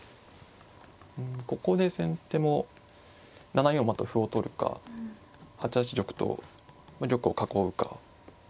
ここで先手も７四馬と歩を取るか８八玉と玉を囲うか。